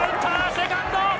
セカンド！